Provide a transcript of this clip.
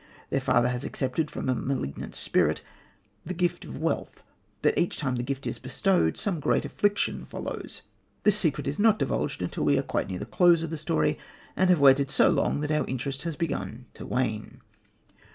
Their father has accepted from a malignant spirit the gift of wealth, but each time that the gift is bestowed some great affliction follows. This secret is not divulged until we are quite near the close of the story, and have waited so long that our interest has begun to wane.